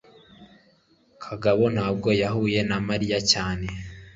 kagabo ntabwo yahuye na mariya cyane